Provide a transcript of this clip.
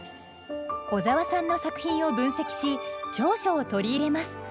小沢さんの作品を分析し長所を取り入れます。